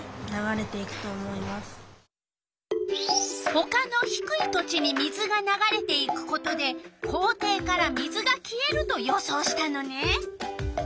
ほかのひくい土地に水がながれていくことで校庭から水が消えると予想したのね。